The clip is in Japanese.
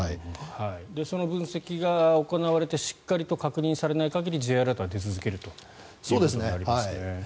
その分析が行われてしっかりと確認されない限りＪアラートは出続けるということになりますね。